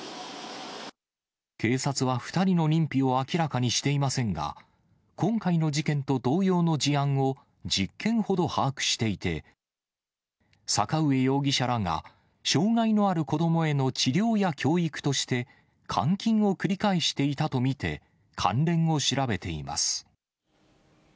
警察は２人の認否を明らかにしていませんが、今回の事件と同様の事案を１０件ほど把握していて、坂上容疑者らが、障がいのある子どもへの治療や教育として、監禁を繰り返していたと見て、関連を調べています。